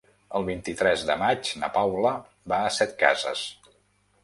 El vint-i-tres de maig na Paula va a Setcases.